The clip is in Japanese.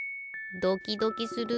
ドキドキする。